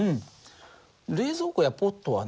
冷蔵庫やポットはね